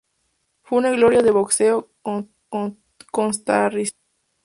Fue una gloria del boxeo costarricense.